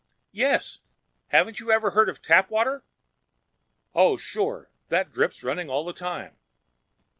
"Yes. Haven't you ever heard of Tapwater?" "Oh, sure! That drip's running all the time!"